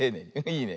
いいね。